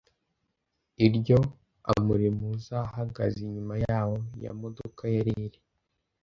iryo amuremuza ahagaze inyuma y’aho ya modoka yari iri